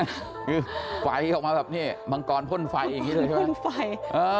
คือไฟออกมาแบบนี่มังกรพ่นไฟอย่างนี้ด้วยใช่ไหม